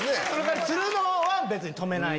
「するのは別に止めない。